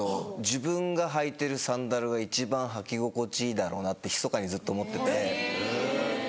自分が履いてるサンダルが一番履き心地いいだろうなってひそかにずっと思ってます。